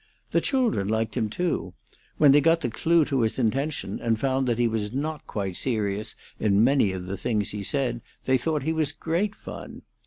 The children liked him, too; when they got the clew to his intention, and found that he was not quite serious in many of the things he said, they thought he was great fun.